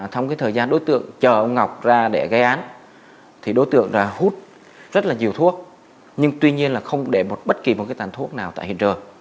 thông cái thời gian đối tượng chờ ông ngọc ra để gây án thì đối tượng ra hút rất là nhiều thuốc nhưng tuy nhiên là không để bất kỳ một cái tàn thuốc nào tại hiện trường